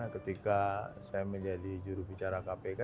ketika saya menjadi jurubicara kpk